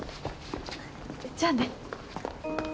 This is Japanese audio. じゃあね